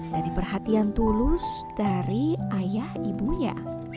dari perhatian tulus dari ayah ibunya